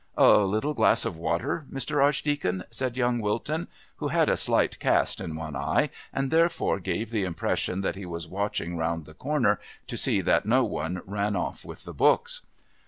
"A little glass of water, Mr. Archdeacon?" said young Wilton, who had a slight cast in one eye, and therefore gave the impression that he was watching round the corner to see that no one ran off with the books.